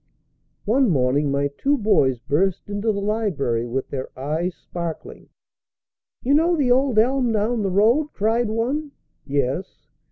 One morning my two boys burst into the library with their eyes sparkling. "You know the old elm down the road?" cried one. "Yes."